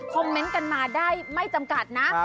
คอมเมนต์กันมาได้ไม่จำกัดนะ